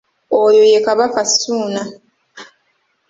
Oyo ye Kabaka Ssuuna.